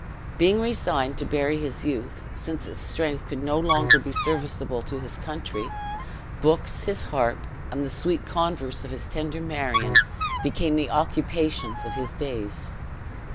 Being resigned to bury his youth since its strength could no longer be serviceable to his country books, his harp, and the sweet converse of his tender Marion, became the occupations of his days.